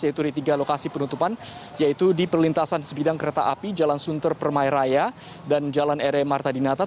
yaitu di tiga lokasi penutupan yaitu di perlintasan sebidang kereta api jalan sunter permairaya dan jalan r marta dinata